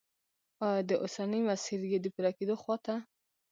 آیا دا اوسنی مسیر یې د پوره کېدو خواته